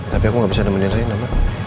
tapi aku gak bisa nemenin reina mbak